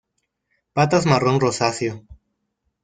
Patas marrón rosáceo.